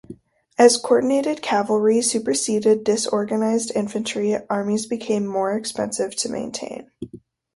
As co-ordinated cavalry superseded disorganized infantry, armies became more expensive to maintain.